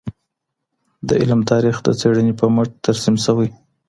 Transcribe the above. د علم تاریخ د څېړنې په مټ ترسیم سوی.